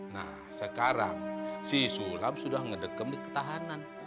nah sekarang si sulam sudah ngedekem di ketahanan